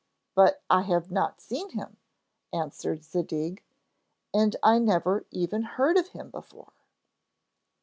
But I have not seen him,' answered Zadig, 'and I never even heard of him before.'